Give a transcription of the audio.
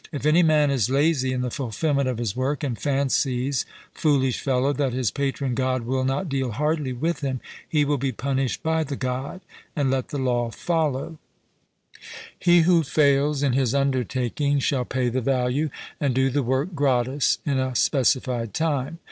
If any man is lazy in the fulfilment of his work, and fancies, foolish fellow, that his patron God will not deal hardly with him, he will be punished by the God; and let the law follow: He who fails in his undertaking shall pay the value, and do the work gratis in a specified time.